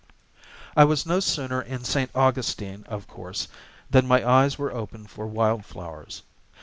I was no sooner in St. Augustine, of course, than my eyes were open for wild flowers.